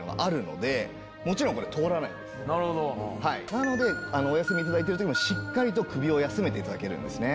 なのでお休み頂いてる時もしっかりと首を休めて頂けるんですね。